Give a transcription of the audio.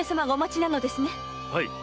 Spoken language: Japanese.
はい。